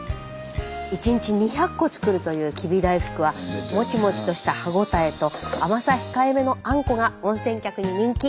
１日２００個作るというきび大福はもちもちとした歯応えと甘さ控えめのあんこが温泉客に人気。